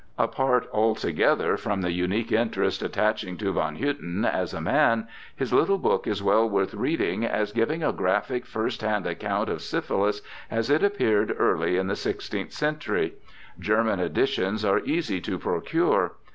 Apart altogether from the unique interest attaching to von Hutten as a man, his little book is well worth reading, as giving a graphic first hand account of syphilis as it appeared early in the sixteenth century. German editions are easy to pro cure.